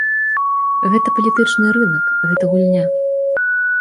Гэта палітычны рынак, гэта гульня.